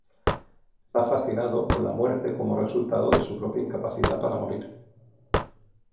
Está fascinado con la muerte como resultado de su propia incapacidad para morir.